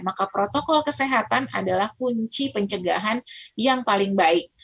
maka protokol kesehatan adalah kunci pencegahan yang paling baik